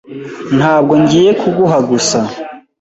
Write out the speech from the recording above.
Ntabwo ngiye kuguha gusa.